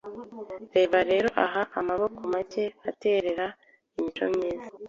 Reba rero aha amaboko make aterera imico myiza